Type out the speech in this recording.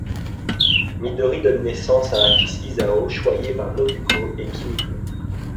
Midori donne naissance à un fils Isao, choyé par Nobuko et Kimiko.